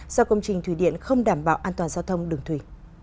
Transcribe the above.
do công trình thủy điện không đảm bảo an toàn giao thông đường thủy